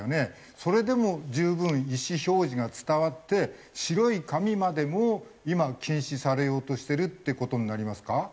それでも十分意思表示が伝わって白い紙までも今禁止されようとしてるって事になりますか？